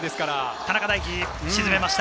田中大貴が沈めました。